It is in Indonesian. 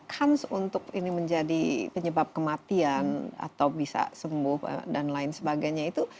kans untuk ini menjadi penyebab kematian atau bisa sembuh dan lain sebagainya itu